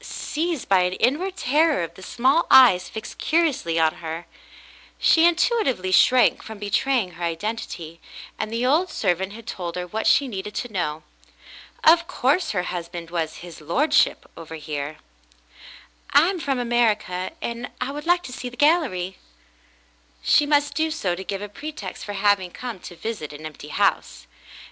Seized by an inward terror of the small eyes fixed curiously on her, she intuitively shrank from betraying her identity, and the old servant had told her what she needed to know. Of course her husband was "his lordship," over here. "I am from America, and I would like to see the gallery." She must do so to give a pretext for having come to visit an empty house.